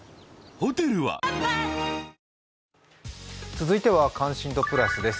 続いては「関心度プラス」です。